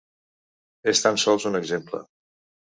És tan sols un exemple.